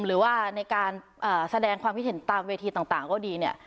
หรือว่าในการแสดงความคิดเห็นตามเวทีต่างก็ดีเนี่ย